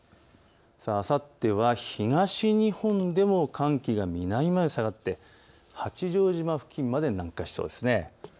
あさっては東日本でも寒気が南まで下がって八丈島付近まで南下しそうです。